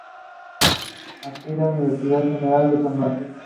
Anfibia, Universidad General de San Martín.